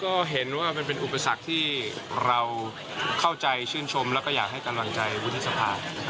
ก็เห็นว่ามันเป็นอุปสรรคที่เราเข้าใจชื่นชมแล้วก็อยากให้กำลังใจวุฒิสภา